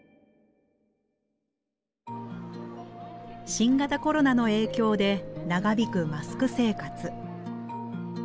新型コロナの影響で長引くマスク生活。